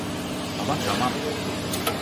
Ama tamam.